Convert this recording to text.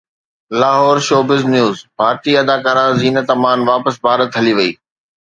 Lahore (showbiz news) ڀارتي اداڪارا زينت امان واپس ڀارت هلي وئي